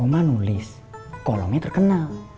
oma nulis kolomnya terkenal